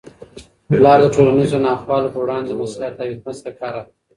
پلار د ټولنیزو ناخوالو په وړاندې د مصلحت او حکمت څخه کار اخلي.